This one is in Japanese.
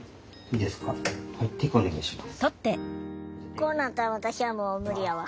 こうなったら私はもう無理やわ。